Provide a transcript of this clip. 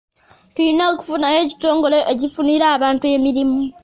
Tulina okufunayo ekitongole ekifunira abantu emirimu.